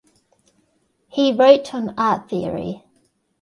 He wrote on art theory.